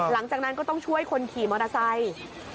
หลังจากนั้นก็ต้องช่วยคนขี่มอเตอร์ไซค์